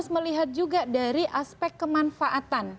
melihat juga dari aspek kemanfaatan